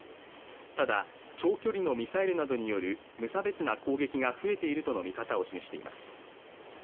ただ長距離のミサイルなどによる無差別な攻撃が増えているとの見方を示しています